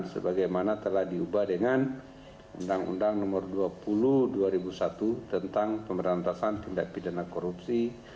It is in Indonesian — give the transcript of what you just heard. sebagaimana telah diubah dengan undang undang nomor dua puluh dua ribu satu tentang pemberantasan tindak pidana korupsi